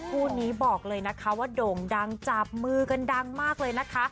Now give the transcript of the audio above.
คู่นี้บอกเลยนะคะว่าโด่งดังจับมือกันดังมากเลยนะคะ